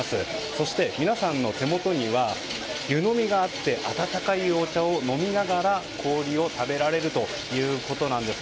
そして、皆さんの手元には湯呑みがあって温かいお茶を飲みながら氷を食べられるということです。